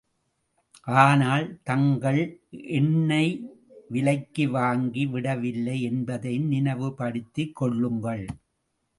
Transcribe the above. ஆனால், தாங்கள் என்னை விலைக்கு வாங்கி விடவில்லை என்பதையும் நினைவுப்படுத்திக் கொள்ளுங்கள்.